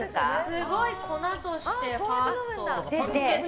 すごい、粉としてパッと。